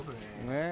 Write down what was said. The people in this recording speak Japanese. ねえ。